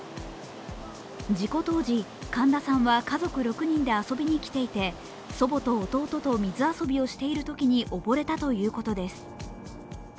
事故当時、神田さんは家族６人で遊びにきていて祖母と弟と水遊びをしているときに溺れたということです。